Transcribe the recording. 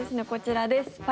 こちらです。